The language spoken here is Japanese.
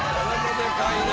でかいな！